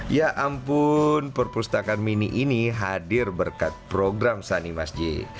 ya ampun perpustakaan mini ini hadir berkat program sani masjid